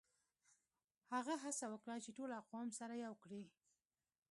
هغه هڅه وکړه چي ټول اقوام سره يو کړي.